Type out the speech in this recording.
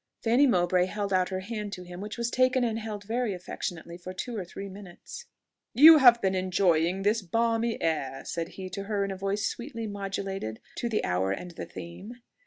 Fanny Mowbray held out her hand to him, which was taken and held very affectionately for two or three minutes. "You have been enjoying this balmy air," said he to her in a voice sweetly modulated to the hour and the theme.